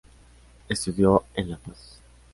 Estudió en La Paz.